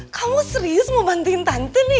kamu serius mau bantuin tante nih